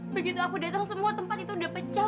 begitu aku datang semua tempat itu udah pecah